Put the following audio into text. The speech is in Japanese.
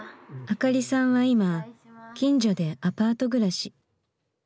あかりさんは今近所でアパート暮らし。